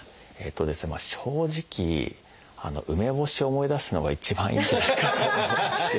まあ正直梅干しを思い出すのが一番いいんじゃないかと。